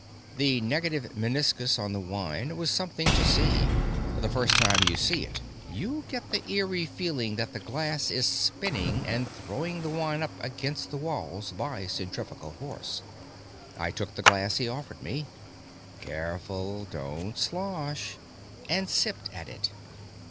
The negative meniscus on the wine was something to see; the first time you see it, you get the eerie feeling that the glass is spinning and throwing the wine up against the walls by centrifugal force. I took the glass he offered me (Careful! Don't slosh!) and sipped at it.